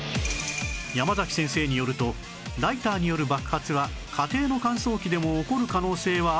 山先生によるとライターによる爆発は家庭の乾燥機でも起こる可能性はあるとの事